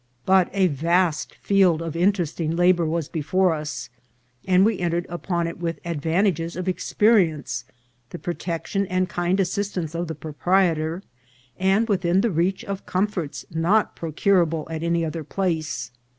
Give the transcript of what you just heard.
But a vast field of interesting la bour was before us, and we entered upon it with ad vantages of experience, the protection and kind assist ance of the proprietor, and within the reach of comforts not procurable at any other place.